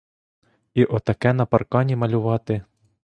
І отаке на паркані малювати!